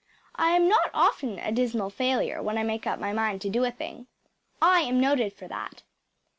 I am not often a dismal failure when I make up my mind to do a thing. I am noted for that.